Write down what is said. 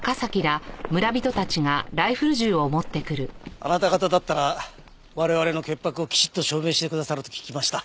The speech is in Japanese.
あなた方だったら我々の潔白をきちっと証明してくださると聞きました。